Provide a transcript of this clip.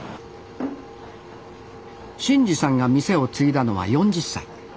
伸二さんが店を継いだのは４０歳。